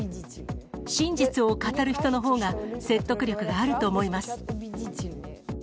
真実を語る人のほうが、説得力があると思います。